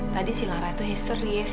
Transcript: tadi si lara itu hysteries